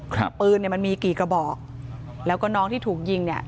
ปืนเนี่ยมันมีกี่กระบอกแล้วก็น้องที่ถูกยิงเนี่ย